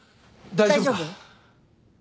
大丈夫か？